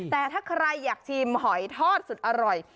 แต่ถ้าใครอยากชิมหอยทอดสุดอร่อย